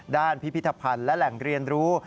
พิพิธภัณฑ์และแหล่งเรียนรู้